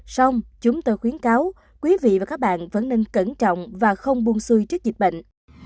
xong chúng tôi khuyến cáo quý vị và các bạn vẫn nên cẩn trọng và không buông xuôi trước dịch bệnh